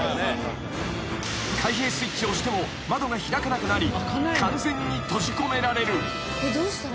［開閉スイッチを押しても窓が開かなくなり完全に閉じ込められる］